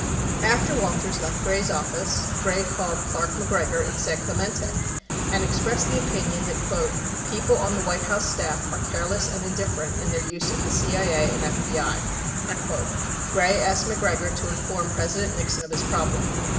45 After Walters left Gray's office, Gray called Clark MacGregor in San Clemente and expressed the opinion that "people on the White House staff are careless and indifferent in their use of the CIA and FBI." 46 Gray asked MacGregor to inform President Nixon of his problem.